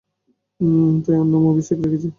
তাই ওর নাম অভিষেক রেখেছি।